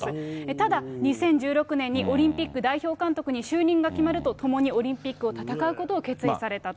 ただ、２０１６年にオリンピック代表監督に就任が決まると、共にオリンピックを戦うことを決意されたと。